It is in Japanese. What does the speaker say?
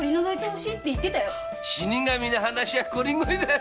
死神の話はこりごりだよ。